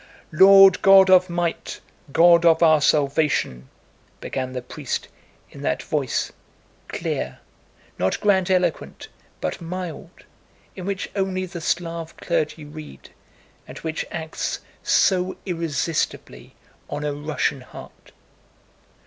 "Lord God of might, God of our salvation!" began the priest in that voice, clear, not grandiloquent but mild, in which only the Slav clergy read and which acts so irresistibly on a Russian heart.